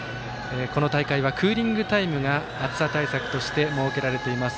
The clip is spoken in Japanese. この大会はクーリングタイムが暑さ対策として設けられています。